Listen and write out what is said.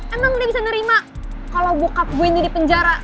emang udah bisa nerima kalau bokap gue ini di penjara